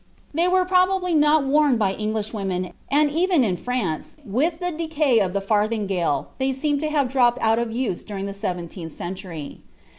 They were probably not worn by Englishwomen, and even in France, with the decay of the farthingale, they seem to have dropped out of use during the seventeenth century.